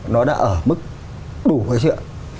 nó đã ở mức đủ hay chưa